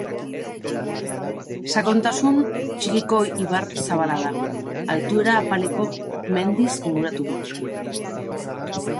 Sakontasun txikiko ibar zabala da, altuera apaleko mendiz inguraturik.